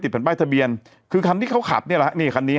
ติดแผ่นใบทะเบียนคือคันที่เขาขับเนี่ยล่ะนี่คันนี้